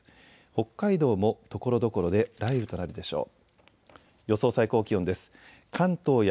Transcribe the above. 北海道もところどころで雷雨となるでしょう。